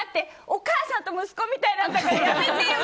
お母さんと息子みたいなんだからやめてよ！